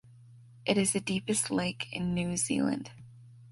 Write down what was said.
It is the deepest lake in New Zealand.